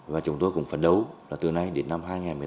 và chúng tôi cũng phấn đấu từ nay đến năm hai nghìn một mươi tám